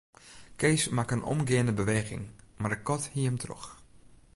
Kees makke in omgeande beweging, mar de kat hie him troch.